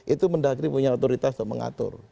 itu mendagri punya otoritas untuk mengatur